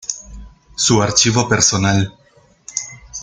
Su archivo personal".